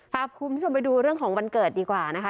พาคุณผู้ชมไปดูเรื่องของวันเกิดดีกว่านะคะ